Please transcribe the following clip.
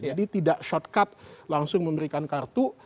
jadi tidak shortcut langsung memberikan kartu